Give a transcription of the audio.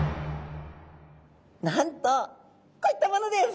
なんとこういったものです。